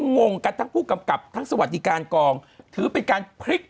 งงกันทั้งผู้กำกับทั้งสวัสดิการกองถือเป็นการพลิก